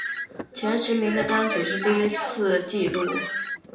前十名的单曲是第一次的记录。